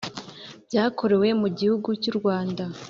byakorewe mu gihugu cy’u rwanda.